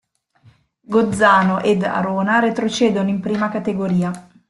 Gozzano ed Arona retrocedono in Prima Categoria.